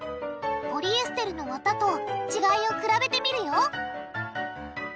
ポリエステルのわたと違いを比べてみるよ！